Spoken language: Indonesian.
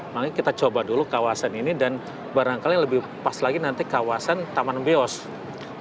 makanya kita coba dulu kawasan ini dan barangkali lebih pas lagi nanti kawasan taman beos